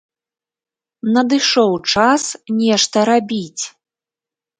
Надышоў час нешта рабіць.